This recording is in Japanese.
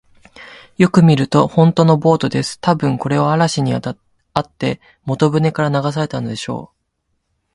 よく見ると、ほんとのボートです。たぶん、これは嵐にあって本船から流されたのでしょう。